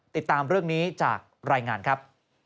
ติดตามเรื่องนี้จากรายงานครับ